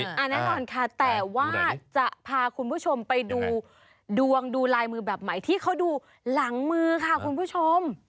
แน่นอนค่ะแต่ว่าจะพาคุณผู้ชมไปดูดวงดูลายมือแบบใหม่ที่เขาดูหลังมือค่ะคุณผู้ชม